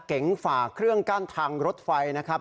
เก๋งฝ่าเครื่องกั้นทางรถไฟนะครับ